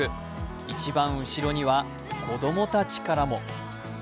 一番後ろには子供たちからも。